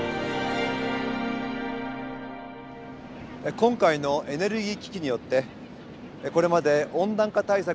今回のエネルギー危機によってこれまで温暖化対策のリーダーだった